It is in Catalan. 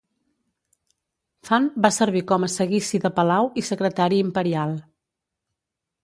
Fan va servir com a Seguici de Palau i Secretari Imperial.